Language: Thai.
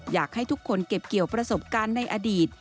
อยากให้ทุกคนเก็บเกี่ยวประสบการณ์ในอดีต